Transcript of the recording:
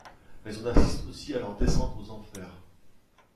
Mais on assiste aussi à leur descente aux enfers.